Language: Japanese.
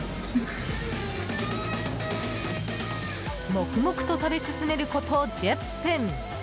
黙々と食べ進めること１０分。